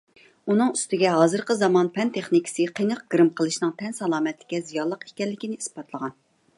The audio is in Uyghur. ئۇنىڭ ئۈستىگە، ھازىرقى زامان پەن-تېخنىكىسى قېنىق گىرىم قىلىشنىڭ تەن سالامەتلىككە زىيانلىق ئىكەنلىكىنى ئىسپاتلىغان.